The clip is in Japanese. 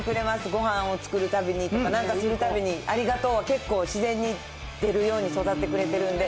ごはんを作るたびにとか、なんかするたびに、ありがとう、結構自然に出るように育ってくれてるんで。